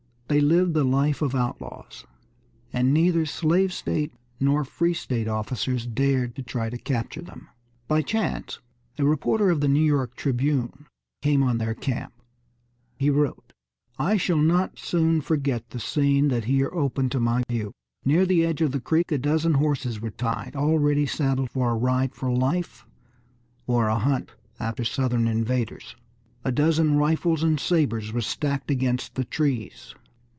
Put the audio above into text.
They lived the life of outlaws, and neither slave state nor free state officers dared to try to capture them. By chance a reporter of the New York Tribune came on their camp. He wrote: "I shall not soon forget the scene that here opened to my view. Near the edge of the creek a dozen horses were tied, all ready saddled for a ride for life, or a hunt after Southern invaders. A dozen rifles and sabres were stacked against the trees.